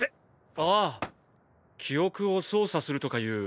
あぁ記憶を操作するとかいうあれ？